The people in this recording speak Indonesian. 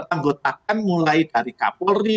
anggotakan mulai dari kapolri